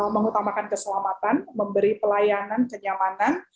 mengutamakan keselamatan memberi pelayanan kenyamanan